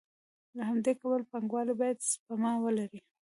له همدې کبله پانګوال باید سپما ولري